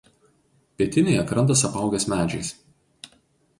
Pietinėje krantas apaugęs medžiais.